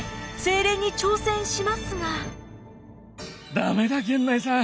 駄目だ源内さん。